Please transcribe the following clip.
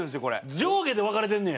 上下で分かれてんねや。